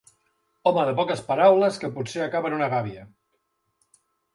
Home de poques paraules que potser acaba en una gàbia.